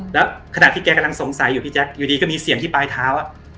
แล้วขณะที่แกกำลังสงสัยอยู่พี่แจ๊คอยู่ดีก็มีเสียงที่ปลายเท้า